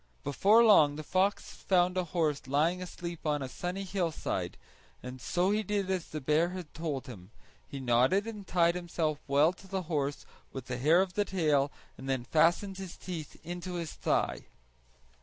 Before long the fox found a horse lying asleep on a sunny hillside; and so he did as the bear had told him; he knotted and tied himself well to the horse with the hair of the tail and then fastened his teeth into his thigh.